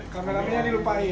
kamera ini dilupain